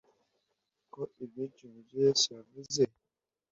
ko ibyinshi mu byo yesu yavuze